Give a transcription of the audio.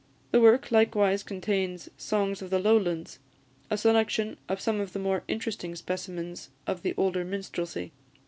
The work likewise contains "Songs of the Lowlands," a selection of some of the more interesting specimens of the older minstrelsy.